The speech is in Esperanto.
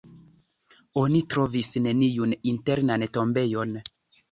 Oni trovis neniun internan tombejon.